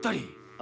あ？